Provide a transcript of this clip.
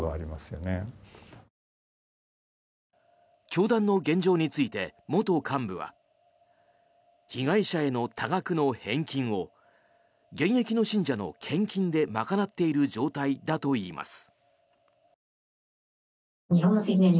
教団の現状について元幹部は被害者への多額の返金を現役の信者の献金で賄っている状態だといいます。